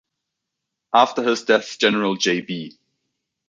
After his death General J.-B.